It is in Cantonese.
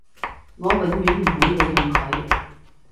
我永遠唔會利用佢